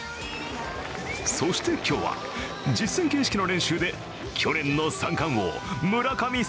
そして今日は実戦形式の練習で去年の三冠王、村神様